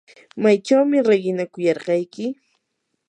¿maychawmi riqinakuyarqayki?